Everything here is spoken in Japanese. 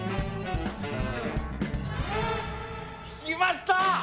引きました！